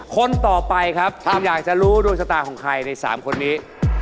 คนต่อไปครับท่านอยากจะรู้โดยสตาร์ของใครในสามคนนี้